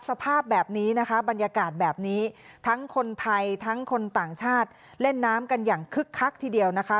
สภาพแบบนี้นะคะบรรยากาศแบบนี้ทั้งคนไทยทั้งคนต่างชาติเล่นน้ำกันอย่างคึกคักทีเดียวนะคะ